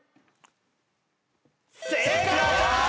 正解！